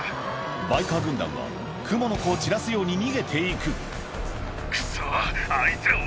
バイカー軍団はクモの子を散らすように逃げていくクソ。